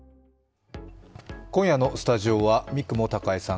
今夜のスタジオは三雲孝江さん